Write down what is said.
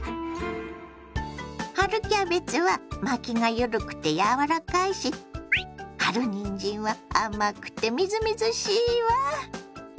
春キャベツは巻きが緩くて柔らかいし春にんじんは甘くてみずみずしいわ。